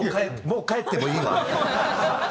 もう帰ってもいいわみたいな。